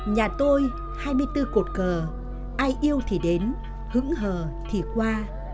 nhà tôi hai mươi bốn cột cờ ai yêu thì đến hững hờ thì qua